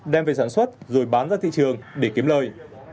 đem về sản xuất rồi bán ra thị trường để kiếm lời